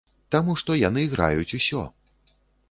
Таму што яны граюць усё.